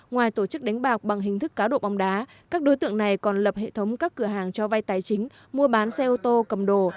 ngoài tổ chức đánh bạc bằng hình thức cá độ bóng đá các đối tượng này còn lập hệ thống các cửa hàng cho vai tài chính mua bán xe ô tô cầm đồ